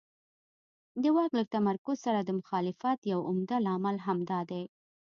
د واک له تمرکز سره د مخالفت یو عمده لامل همدا دی.